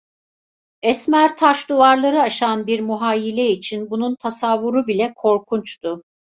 Esmer taş duvarları aşan bir muhayyile için bunun tasavvuru bile korkunçtu.